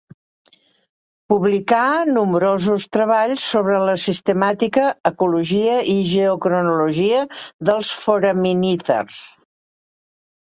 Publicà nombrosos treballs sobre la sistemàtica, ecologia i geocronologia dels foraminífers.